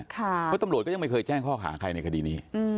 เพราะตำรวจก็ยังไม่เคยแจ้งข้อหาใครในคดีนี้